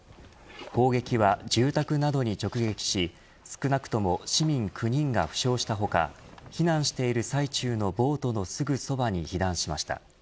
砲撃は住宅などに直撃し少なくとも市民９人が負傷した他避難している最中のボートのすぐそばに被弾しました。